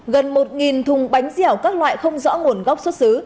gần một thùng bánh dẻo các loại không rõ nguồn gốc xuất xứ